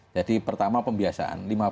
jadi pertama pembiasaan lima belas